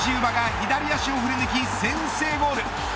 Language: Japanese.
左足を振り抜き先制ゴール。